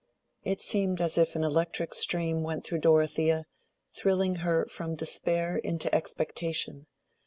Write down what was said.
It seemed as if an electric stream went through Dorothea, thrilling her from despair into expectation.